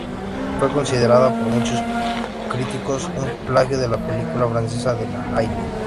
Fue considerada por muchos críticos un plagio de la película francesa La Haine.